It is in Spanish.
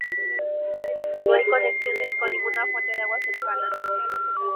No hay conexiones con ninguna fuente de agua cercana.